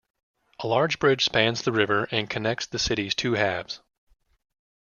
A large bridge spans the river and connects the city's two halves.